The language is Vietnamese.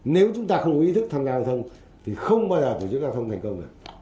nếu chúng ta không có ý thức tham gia giao thông thì không bao giờ tổ chức giao thông thành công được